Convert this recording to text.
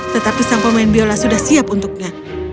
tetapi sang pemain biola sudah siap untuknya